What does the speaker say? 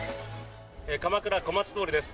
鎌倉・小町通りです。